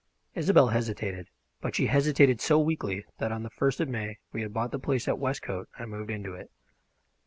Isobel hesitated, but she hesitated so weakly that on the first of May we had bought the place at Westcote and moved into it.